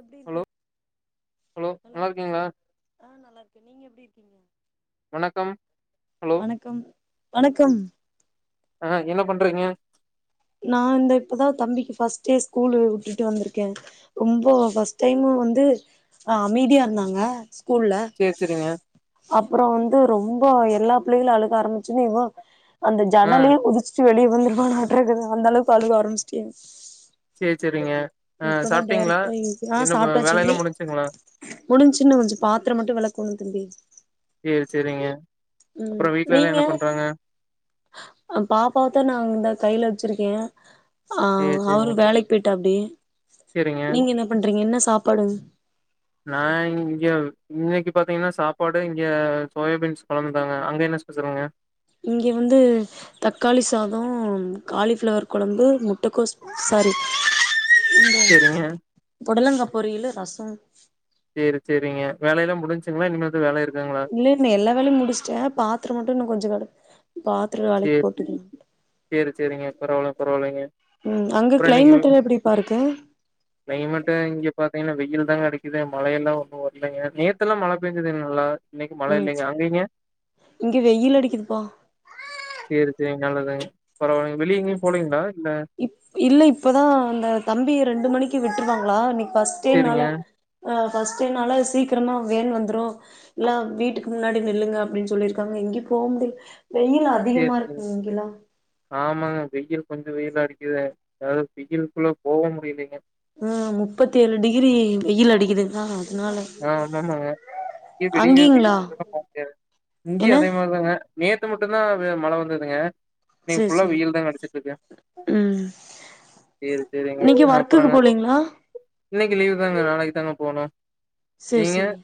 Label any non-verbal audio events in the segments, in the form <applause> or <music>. எப்படி ஹலோ இருக்க ஹலோ நல்லா இருக்கீங்களா ஆஹ் நல்லா இருக்கே நீங்க எப்படி இருக்கீங்க வணக்கம் ஹலோ வணக்கம் வணக்கம் அஹ் என்ன பண்றீங்க நான் இந்த இப்பதான் தம்பிக்கு பர்ஸ்ட் டே ஸ்கூல் விட்டுட்டு வந்திருக்கேன் ரொம்பஸ்ட் டைம் வந்துஹ் அமைதியா இருந்தாங்க ஸ்கூல்ல சேரி சேரிங்க அப்புறம் வந்து ரொம்ப எல்லா பிள்ளைகளும் அழுக ஆரம்பிச்சுன்னு இவ அந்த ஆ ஜன்னலே குதிச்சிட்டு வெளிய <unintelligible> க்குது அந்தளவுக்கு அழுக ஆரம்பிச்சிட்டேன் சேரி சேரிங்க ஆஹ் சாப்பிட்டீங்களா டைரக்டா ஆ என்ன சாப்ட்டாச்சு வேலை நீ எல்லாம் முடிஞ்சுங்களா முடிஞ்சுன்னு கொஞ்சம் பாத்திரம் மட்டும் வெளக்கணும் தம்பி சேரி சேரிங்க உம் அப்புறோ வீட்ல எல்லா நீங்க என்ன பண்றாங்க பாப்பாவத்தான் நாந் இந்த கையில வச்சிருக்கேன் சேரி ஆஹ் சேரிங்க அவரு வேலைக்கு போய்டாப்புடி சேரிங்க நீங்க என்ன பண்றீங்க என்ன சாப்படுங் நான் இங்க இன்னைக்கு பாத்தீங்கன்னா சாப்பாடு இங்க சோயாபீன்ஸ் கொழம்புதாங்க அங்க என்ன ஸ்பெசலுங்க இங்கே வந்து தக்காளி சாதம் காலிஃப்ளவர் குழம்பு முட்டைக்கோஸ் சாரி இந்த சேரிங்க புடலங்கா பொரியிலு ரசோம் சேரி சேரிங்க வேலை எல்லாம் முடிஞ்சுங்களா இனிமே வேலை இருக்கு இல்ல இன்ன எல்லா வேலையும் முடிச்சுட்டேன் பாத்துரம் மட்டும் இன்னும் கொஞ்சம் கட சேரி சேரி சேரிங்க பரவால பரவாலைங்க ம் அங்க அப்புறம் இன்னைக்கு கிளைமேட் எல்லா எப்டிப்பா இருக்கு நீ மட்டும் இங்க பாத்தீங்கன்னா வெயில் அடிக்குது மழையெல்லாம் ஒன்னும் வரலிங்க நேத்துல்லாம் மழை பெஞ்சுதுங்கள நல்லா இன்னைக்கு மழை ம் இல்லைங்க அங்கங்க இங்க வெயில் அடிக்குதுப்பா சேரி சேரி நல்லதுங்க அப்புறம் அவங்க வெளிய எங்கயும் போலீங்கிளா இல்ல இப்பதான் அந்த தம்பி ரெண்டு மணிக்கு விட் ருவாங்களா இனைக்கு பஸ்டேனால சேரிங்க ஹ பர்ஸ்டேனால சீக்கிரமா வேன் வந்துரும் எல்லா வீட்டுக்கு முன்னாடி நில்லுங்க அப்படின்னு சொல்லிருக்காங்க எங்கேயும் போ முடியல வெயில் சேரி அதிகமா சேரிங்க இருக்கு இங்கெல்லாமா ஆமாங்க வெயில் கொஞ்சம் வெயில் அடிக்குது ஏாவது வெயில்க்குள்ள போக முடியலைங்க உஹ் முப்பத்தி ஏழு டிகிரி வெயில் அடிக்குது ஆஹ் ஆமாமாங்க இய வெளியேய அங்கீங்களா போக என்ன இங்கேயும் அதே மாதிரிதாங்க நேத்து மட்டும்தான் மழை வந்ததுங்க இன்னைக்கு சேரி புல்லா சேரி வெயில் தான் கிடைச்சிட்டு இருக்க ம் சரி சரிங்க இன்னைக்கு ஒர்க்குக்கு அப்புறங்க போலீங்களா இன்னைக்கி லீவுதாங்க நாளைக்கித்தாங்க போகணு செரி செரி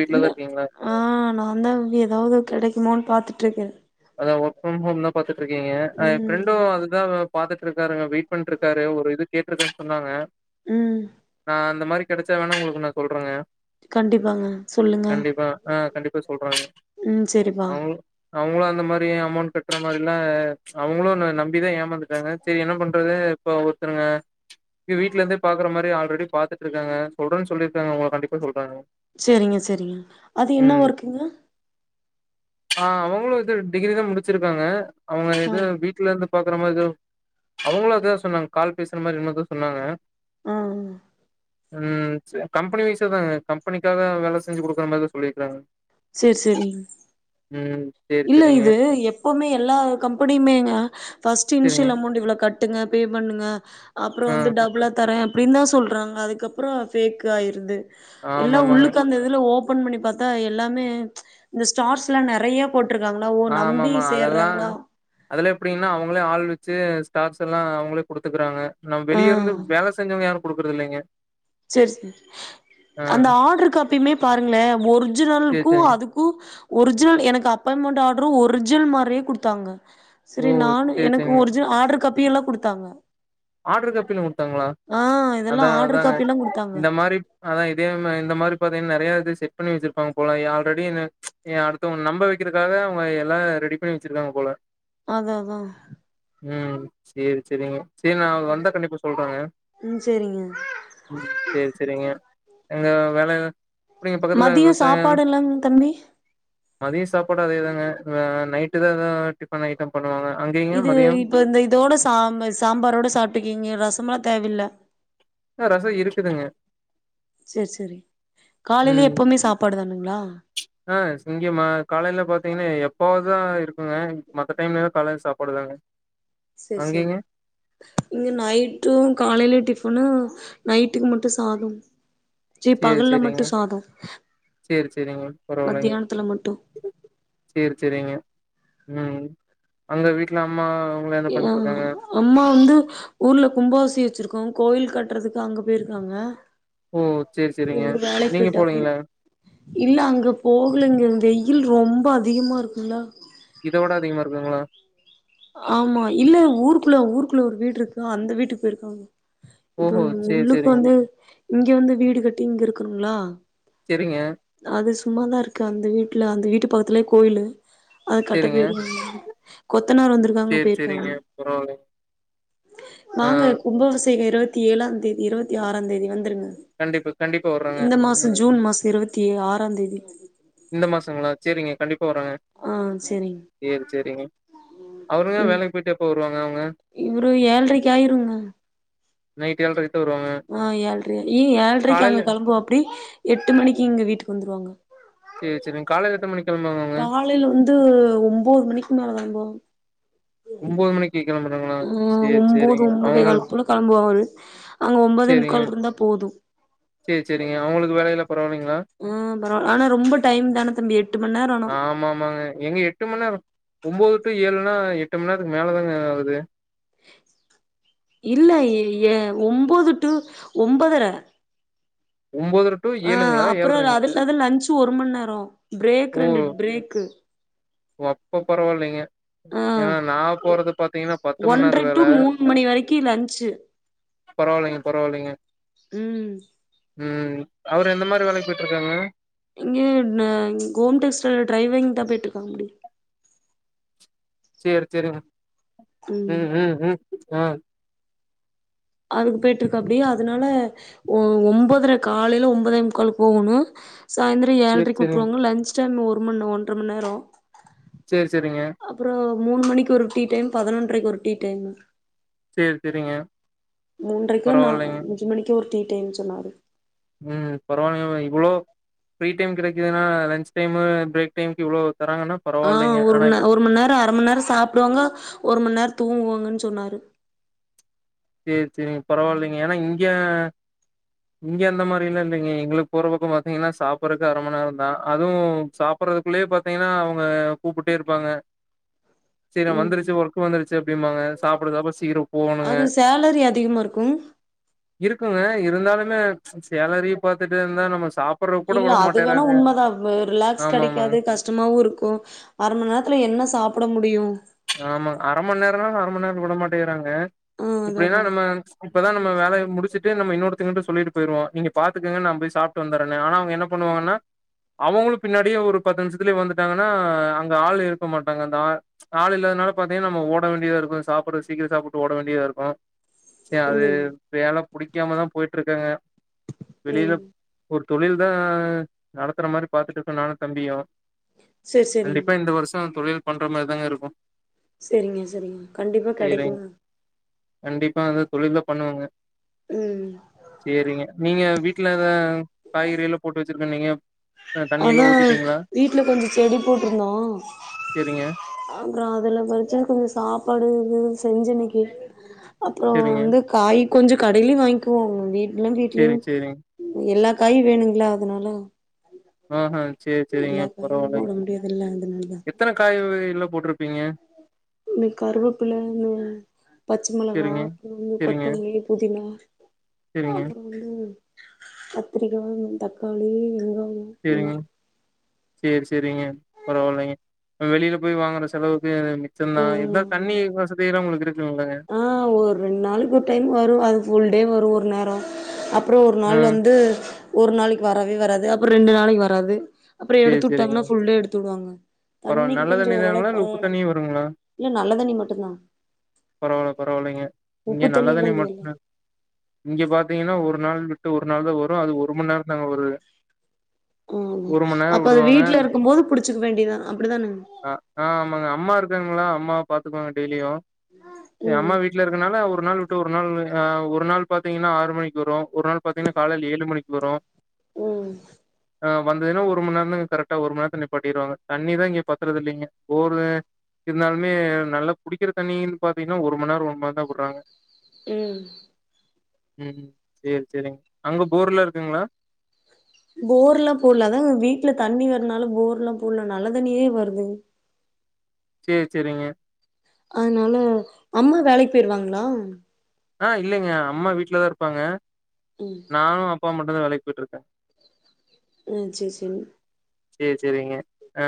வீட்லதா இல்ல இருக்கீங்களா ஆ நான்தா எதாவது கெடைக்குமான்னு பாத்துட்ருக்கறே அதா ஒர்க் ஃப்ரம் ஹோம்தா பாத்து ட்ருக்கீங்க ஆ ஏன் ஃபிரெண்டு ம் அதுதா ஒர்க் பாத்துட்ருக்காருங்க வெயிட் பண்ட்ருக்காரு ஒரு இது கேட்ருக்கன்னு சொன்னாங்க ம் ஆ அந்த மாரி கெடைச்சா வேண்ணா உங்களுக்கு நா சொல்றங்க கண்டிப்பாங்க சொல்லுங்க கண்டிப்பா ஆ கண்டிப்பா சொல்றங்க ம் செரிம்மா அவுங்களு அவுங்களு அந்த மாரி அமௌண்ட் கட்ற மாரில்லா அவங்களு ந நம்பிதா ஏமாந்துட்டாங்க சரி என்ன பண்றது இப்போ ஒருத்தருங்க இது வீட்ல இருந்தே பாக்கற மாரி ஆல்ரெடி பாத்துட்ருக்காங்க சொல்றேன்னு சொல்லிருக்காங்க உங்களுக்கு கண்டிப்பா சொல்றேங்க செரிங்க செரிங்க அது என்ன ஒர்க்குங்க? ஆ அவங்களு இது டிகிரிதா முடிச்சிருக்காங்க அவங்க ஆ, எதோ வீட்ல இருந்து பாக்குற மாரி எதோ அவங்களு அதா சொன்னாங்க கால் பேசுற மாரி என்னமோதா சொன்னாங்க ஆ ம் செ கம்பெனி வைஸ்தாங்க கம்பெனிக்காக வேல செஞ்சு குடுக்குற மாரிதா சொல்லியிருக்கறாங்க சேரி சேரி சேரி இல்ல சேரிங்க இது எப்பவுமே எல்லா கம்பெனியுமேங்க ஃபர்ஸ்ட் சேரிங்க இனிஷியல் அமௌண்ட் இவ்ளோ கட் டுங்க பே பண்ணுங்க அப்றோ ஆ வந்து டபுளா தரே அப்டின்தா சொல்றாங்க அதுக்கப்புறோ ஃபேக் ஆயிருது எல்லா ஆமாமாங்க உள்ளுக்கு அந்த இதுல ஓ ப்பன் பண்ணி பாத்தா எல்லாமே இந்த ஸ்டார்ஸ்லா நெறைய போட்டிருக்காங்களா, ஓ ஆ ஆமா நம்பி ஆமா அதல்லா சேர்றாங்களா? அதல்லா எப்பிடினா அவங்களே ஆள் வெ ச்சு ஸ்டார்ஸ் எல்லா அவுங்களே குடுத்துக்கறாங்க நம்ப வெளிய இருந்து வேல செஞ்சவங்க யாரு குடு க்கறது இல்லைங்க சேரி சே ஆ அந்த ஆர்டரு காப்பியுமே பாருங்களே சேரி ஒரிஜினலுக்கு சேரிங்க அதுக்கு ஒரிஜினல் எனக்கு அப்பாய்மெண்ட் ஆர்டரும ஒரிஜினல் மாரியே குடுத்தாங்க ஓ செரி நானு சேரி எனக்கு சேரிங்க ஒரிஜினல் ஆர்டரு காப் பி எல்லா குடுத்தாங்க ஆட்ரு காப்பி எல்லா குடு த்தாங்களா ஆ இதெல்லா அதா ஆர்டர் அதாங்க காப்பி எல்லா குடுத்தாங்க இந்த மாரி அதா இதே மா இந்த மாரி பா்த்தீங்னா நெறைய இது செட் பண்ணி வச்சிருப்பாங்க போல ஆல்ரெடி னு அடுத்தவங்கள நம்ப வைக்கறதுக்காக அவங்க எல்லா ரெடி பண்ணி வச்சிருக்காங்க போல அதா அதா ம் சேரி சேரிங்க சேரி நா அவுங்க வந்தாக் கண்டிப்பா சொல்றேங்க ம் சேரிங்க ம் சேரி சேரிங்க எங்க வேலை மதியொ சாப்பாடுல்லாங் தம்பி மதியொ சாப்பாடு அதேதாங்க ஆ நைட்டு தா ஏதா டிஃபன் ஐட்டம் பண்ணுவாங்க அங்கேங்க இது மதியம்? இப்ப இந்த இதோட சாம் சாம்பாரோட சாப் டுக்கீங்க ரசமெல்லா தேவல்ல ஆ ரஸோ இருக்குதுங்க சேரி சேரி காலையில ம் எப்பவுமே சாப்பாடு தானுங்களா ஆ சிங்கமா காலைல பாத்தீங்கன்னா எப் எப்பவாது இருக்குங்க மத்த டைம்லலா பழைய சாப்பாடுதாங்க சேரி சேரி இங்க நைட்டு காலையிலையு டிஃபனு நைட்டுக்கு மட்டு சாதம் சி சேரி பகல்ல சேரிங்க. மட்டு சாதோ சேரி சேரிங்க. பரவால்லங்க. மத்தியானத்துல மட்டு சேரி சேரிங்க ம் அங்க வீட்ல அம்மா அவங்களா என்ன ய அம்மா பண்ட்ருக்காங்க? அம்மா வந்து ஊர்ல கும்பாபிசே வச்சிருக்கோ கோயில் கட் ட்டுறதுக்கு அங்க போயிருக்காங்க ஓ! சேரி சேரிங்க. இவரு வேலைக்கு நீங்க போயிட்டாப்டி போலீங்களா? இல்ல அங்க போகலங்க வெயில் ரொம் ம்ப அதிகமா இருக்குல்ல இதவிட அதிகமா இருக்குதுங்ளா ஆமா இல்ல ஊருக்குள்ள ஊருக்குள்ள ஒரு வீடுருக் க்கு அந்த வீட்டுக்கு போயிருக்காங்க இப்ப ஓஹோ! சேரி உள்ளுக்கு சேரிங்க. வந்து இங்க வந்து வீடு கட்டி இங்க இருக்கணுங்ளா செரிங்க சும்மா தா இருக்கு அந்த வீட்ல அந்த வீட்டு பக்கத்துலே கோயிலு அது கட்ட செரிங்க. <unintelligible> கொத்தனாறு வந்துருக்காங்க சேரி, செரிங்க. போயிருக்காங்க பரவால்லைங்க. ஆ வாங்க கும்பாபிஷேக இரவத் த்தி ஏலாந்தேதி இருவத்தி ஆறாந் தேதி வந்துருங்க கண்டிப்ப கண்டிப்பா வற்றங்க இந்த மாசோ ம் ஜூன் மாசோ இருவத்தி ஆறாந்தேதி இந்த மாசங்ளா சேரிங்க கண்டிப் ப்பா வரங்க ஆ செரிங் சேரி சேரிங்க அவரு தா வேலைக்கு போயிட்டு எப்ப வரு இவுரு ஏழ்ரைக்கு ஆயிருங்ணா நைட்டு ஏழ்ரை ஆ ஏழ்ரயாயி ஏழ்ரைக்கு காலையில அங்க கெளம்புவாப்டி எட்டு மணிக்கி இங்க வீட்டுக்கு வந்துருவாங்க. சேரி, செரிங்க. காலையில எத்தன மணிக்கு கெளம்புவாங்க அவங்க? காலைல வந்து ஒம்போது மணிக்கு மேலதாங்ணா மணிக்கு கெளம்புறாங்களா? ஆ சேரி, ஒம்போது செரிங்க. அவங்களுக் ஒம்பதேகால்குள்ள கெளம்புவாரு அங்க ஒம்பதே செரிங்க. முக்காலுக்கு இருந்தா போது சேரி சேரிங்க அவுங்களுக்கு வேலயெல்லா ம் பரவால்ல ஆனா ரொம்ப டைம்தான தம்பி எட்டு மண் நேரோ ஆனா ஒம்போது டு ஏழுனா எட்டு மண் நேரத்துக்கு மேலதாங்க ஆவுது இல்ல எ ஏ ஒம்போது டு ஒம்பொதர டூ ஆ அப்பற அது இல்லாத லன்ச் ஒரு மண் நேரோ பிரேக்கு ரெண்டு ப்ரேக்கு ஓ அப்ப பரவால்லைங்க ஆ ஏன்னா நா போறது பாத்தீங்கனா பத்து மண் நேர ஒன்ரை டு வேல மூணு மணி வரைக்கு லன்ச்சு பரவால்லைங்க பரவால்லைங்க ம் ம் அவரு எந்த மார வேலைக்கி போய்ட்ருக்காங்க? இங்க ந ங் கோம் டெக்ஸ்டைல் ட்ரைவிங்தா போய்ட்ருக்காங்ப்டி சேரி சேரிங்க ம் ம் ம் ஆ அதுக்கு போய்ட்ருக்காப்டி அதனால ஒ ஒம்பதரை காலைல ஒம்போதே முக்காலுக்கு போகோணு சாயந்தர சேரி ஏழ்ரைக்கி சேரிங்க உட்ருவாங்க லன்ச் டைம் ஒரு ஒரு மண் ஒன்ர மண் நேரோ சேரி சேரிங்க அப்புறோ மூணு மணிக்கி ஒரு டீ டைம் பதனொன்ரைக்கு ஒரு டீ டைமு சேரி சேரிங்க மூன்ரைக்கோ ந பரவாயில்லைங்க அஞ்சு மணிக்கோ ஒரு டீ டைம் சொன்னாரு ம் பரவாயில்லைங்க இவ்ளோ ஃப்ரீ டைம் கெடைக்கலனா லன்ச் டைமு பிரேக் டைம்க்கு இவ்ளோ தராங்கன்னா ஆ பரவாயில்லைங்க ஒரு ஆனா மண் நே ஒரு மண் நேரோ அர மண் நேரோ சாப்டுவாங்க ஒரு மண் நேர தூங்குவாங்கன்னு சொன்னாரு சேரி சேரிங்க பரவால்லைங்க ஏன்னா இங்க இங்க அந்த மாரி எல்லா இல்லைங்க எங்களுக்கு போற பக்கோ பாத்தீங்கன்னா சாப்படறக்கு அர மணி நேரோந்தா அதுவு சாப்படறதுக்குள்ளயே பாத்தீங்கன்னா அவங்க கூப்புட்டே இருப்பாங்க செரி ஆ ம் வந்துருச்சு ஒர்க் வந்துருச்சு அப்டிம்பாங்க சாப்பட சாப்பட சீக்ரோ போகணுங்க திகமா இருக்கு இருக்குங்க இருந்தாலுமே சேலரிய பாத்துட்டே இருந்தா நம்ம சாப்ட்ற கூட இல்ல விட அது வேண்ணா மாட்டேறாங்க உண்மதா அ ரிலாக்ஸ் ஆமா ஆமாங்க கெடைக்காது கஷ்டமாவு இருக்கு அர மண் நேரத்துல என்ன சாப்பட முடியு ஆமாங் அர மண் நேரனாலு அர மண் நேரோ விட மாட்டேங்கறாங் க ஆ அதா இப்டியல்லா அதா நம்ம இப்பதா நம் ம வேலய முடிச்சுட்டு நம்ம இன்னொருத்தங்ககிட்ட சொல்லிட்டு போயிருவோ நீங்க பாத்துக்கங்க நா போய் சாப்ட்டு வந்துர்றேன்னு ஆனா அவங்க என்ன பண்ணுவாங்கன்னா அவங்களு பின்னாடியே ஒரு பத்தாவது நிமிஷத்துலயே வந்துட்டாங்கன்னா அங்க ஆள் இருக்க மாட்டாங்க அந்த ஆ ஆளு இல்லாதனால பாத்தீங்னா நம்ம ஓட வேண்டியதா இருக்கு சாப்பட சீக்கிர சாப்புட்டு ஓட வேண்டியாதா இருக்கு சேரி அது ம் வேல புடிக்காமதா போயிட்ருக்கங்க வெளில ம் ஒரு தொழில்தா நடத்தற மாரி பாத்துட்ருக்கோ நானு தம்பியு சேரி சேரிங் கண்டிப்பா இந்த வருஷோ தொழில் பண்ற மாரிதாங்க இருக் செரிங்க செரிங்க கண்டிப்பா சேரிங்க கெடைக்குங்க கண்டிப்பா எதோ தொழில்தா பண்ணுவேங்க ம் சேரிங்க நீங்க வீட்லதா காய்கறில்லா போட்டு வச்சிருக்கன்னீங்க தண்ணி அதா எல்லா ஊத்திட்டீங்களா வீட்ல கொஞ்ச செடி போட்டுருந்தோ சேரிங்க அப்றோ அதுல பறிச்ச கொஞ்ச சாப்பாடு இதுவு செஞ்ச இன்னக்கி அப்றோ சேரிங்க வந்து காய் கொஞ்ச கடையிலயு வாங்கிக்குவோங்க வீ இல்லங் சேரி வீட்லயு சேரிங் எல்லா காயு வேணுங்களா அதனால ஆஹா சேரி சேரிங்க எல்லா காயு போட பரவால்லைங்க முடியாதுல்ல அதனாலதா எத்தன காய் வகைகள்லா போட்டுரு ப்பீங்க இந்த கருவேப்பில இந்த பச்ச மெளகா சேரிங்க அப்புறோ வந்து சேரிங்க கொத்தமல்லி புதினா ஆ சேரிங்க அப்பற வந்து கத்திரிக்கா ம் தக்காளி இதுதா சேரிங்க சேரி சேரிங்க பரவால்லைங்க ஆ வெளில போய் வாங்குற செலவுக்கு இது மிச்சந்தா இருந்தாலு தண்ணி ஆ வசதியல்லா உங்களுக்கு இரு ஆ ஒரு ரெண்ட் நாளைக்கி ஒரு டைம் வரு அது ஃபுல் டே வ ரு ஒரு நேரோ அ ப்றோ ஒரு ஆ நாள் வந்து ஒரு நாளைக்கி வரவே வராது அப்புற ரெண்டு நாளைக்கி வராது அப்புற சேரி எடுத்து சேரிங்க விட்டாங்னா ஃபுல் டே எடுத்து விடுவாங்க. பரவால்ல தண்ணிக்கு நல்ல கொஞ்ச தண்ணி தானுங்களா ஓரளவுக்கு இல்ல உப்பு பரவால்ல தண்ணியு வருங்களா இல்ல நல்ல தண்ணி மட்டுந்தா பரவால்ல பரவால்லைங்க இங்க நல்ல தண்ணி இங்க இல்ல <inaudible> இங்க பாத்தீங்கன்னா ஒரு நாள் விட்டு ஒ ரு நாள்தா வரு அது ஒரு மண் நேரந்தாங்க வருது ம் ம் ஒரு மண் நேரோ அப்ப அது விடுவாங்க வீட்ல இருக்கும் போது புடிச்சுக்க வேண்டியதுதா அப்பிடிதானங்க க்குங்களா அம்மா பாத்துக்குவாங்க டெய்லியு ஆ அம்மா ம் வீட்ல இருக்கனால ஒரு நாள் விட்டு ஒரு நாள் ஆ ஒரு நாள் பாத்தீங்கன்னா ஆறு மணிக்கு வரு ஒரு நாள் பாத்தீங்கன்னா காலைல ஏழு மணிக்கு வரு ம் ஆ வந்ததுன்னா ஒரு மணி நேரந்தாங்க கரெக்டா ஒரு மணி நேரத்துல நிப்பாட்டிருவாங்க தண்ணிதா இங்க பத்துறது இல்லைங்க போரு இருந்தாலுமே நல்லா குடிக்கிற தண்ணின்னு பாத்தீங்கன்னா ஒரு மணி நேரோ ஒரு மணி நேரோந்தா விடறாங்க ம் ம் சேரி சேரிங்க. அங்க போர்லா இருக்குங்களா? போர் எல்லா போடல அதா வீட்ல தண்ணி வரனால போர் எல்லா போடல நல்ல தண்ணியே வருது சேரி சேரிங்க அதனால அம்மா வேலைக்கி போயிருவாங்களா? ஆ இல்லைங்க அம்மா வீட்லதா இருப்பாங்க ம் நானு அ ப்பா மட்டும்தா வேலைக்கு போயிட்ருக்கே ம் சேரி சேரிங் சேரி சேரிங்க ஆ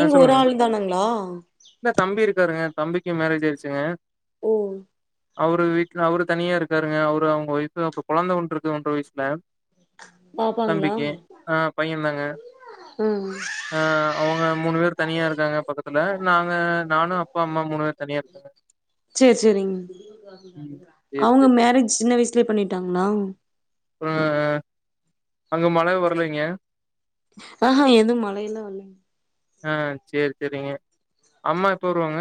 ஆ ஒரு சொல்லுங்க ஆள் தானாங்களா இல்ல தம்பி இருக்காருங்க தம்பிக்கி மேரேஜ் ஆயிருச்சுங்க ஓ அவரு வீட்ல அவரு தனியா இருக்காருங்க அவரு அவங்க ஒய்ஃபு அப்றோ கொழந்த ஒண்ணு இருக்குங்க ஒன்ர வயசுல பாப்பாங்களா தம்பிக்கு ஆ பையன்தாங் க ஆ ஆ அ வங்க மூணு பேர் தனியா இருக்காங்க பக்கத்துல நாங்க நானு அப்பா அம்மா மூணு பேரு தனியா இருக்கங்க சேரி சேரிங்க ம் சேரி சேரி லயே பண்ணிட்டாங்களா? அப்ற அங்க மழ வரலைங்க ஆஹா எது மழையெல்லா வல்லைங் ஆ சேரி சேரிங்க. அம்மா எப்ப வருவாங்க?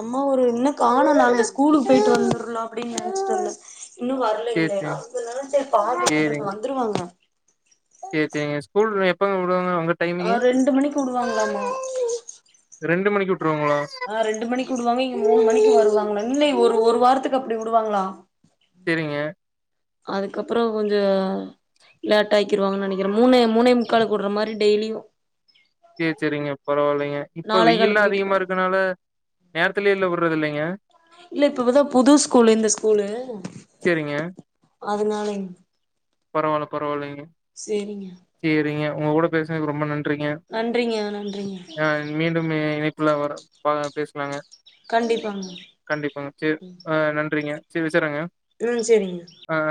அம்மா ஒரு இன்னு காணோங்க அங்க ஸ்கூலுக்கு போயிட்டு வந்துருலா அப்படின்னு நெனைச்சிட்ருந்தே இன்னு சேரி வரலைங்களே சேரிங்க. கொஞ்ச நேரோ செரி சேரிங்க. பாப்போன்ட்ருக்கே வந்துருவாங்க சேரி சேரிங்க ஸ்கூல் எ ப்பங்க விடுவாங்க அ ஆ ரெண்டு மணிக்கு விடுவாங்களாமா மணிக்கு விட்டுருவாங்களா? ஆ ரெண்டு மணிக்கி விடுவாங்க இங்க மூணு மணிக்கி வருவாங்க இல்லைங் ஒரு ஒரு வார த்துக்கு அப்டி விடுவாங்களா செரிங்க அதுக்கப்புறோ கொஞ்சோ லேட் ஆக்கியிருவாங்கன்னு நெனைக்கிறே மூணே மூணே முக்காலுக்கு உடுற மாரி டெய்லியு சேரி செரிங்க பரவால்லைங்க இப்ப நாலே வெயில்லா காலுக்கு வீட்டுக்கு அதிகமா வரு இருக்கனால நேரத்துலயெல்லா விடுறது இல்லைங்க இல்ல இப்பதா புது ஸ்கூலு இந்த ஸ்கூலு சேரிங்க அதனாலைங் பரவால்ல பரவால்லைங்க சேரிங்க சேரிங்க உங்க கூட பேசினதுக்கு ரொம்ப நன் றிங்க நன்றிங்க நன்றிங்க ஆ மீண்டும் இ இணை ப்புல வர வாங்க பேசலாங்க. கண்டிப்பாங்க கண்டிப்பாங்க சேரி ஆ நன்றிங்க. செரி வச்சர்றங்க. ம் செரிங்க